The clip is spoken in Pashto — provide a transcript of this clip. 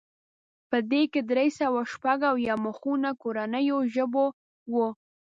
په دې کې درې سوه شپږ اویا مخونه کورنیو ژبو وو.